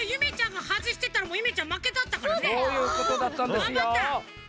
がんばった。